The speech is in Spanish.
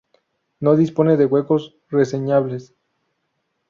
No dispone de huecos reseñables.